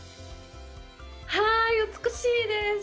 はい、美しいです。